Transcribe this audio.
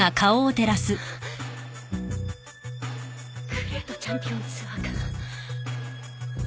グレートチャンピオンツアーか。